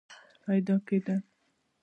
پیدا کېدل